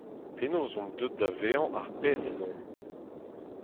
Penaos omp deuet da vezañ ar pezh ez omp ?